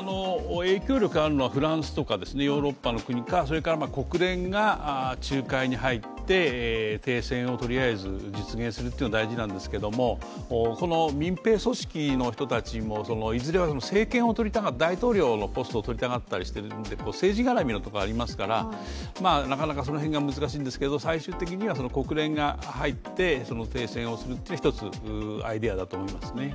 影響力があるのはフランスとかヨーロッパ、それから国連が仲介に入って停戦をとりあえず実現するというのは大事なんですけれども、民兵組織の人たちもいずれは政権を取りたい、大統領のポストを取りたがっているので政治がらみのところがありますからなかなかその辺が難しいんですけど最終的には国連が入って、停戦をするというのもひとつアイデアだと思いますね。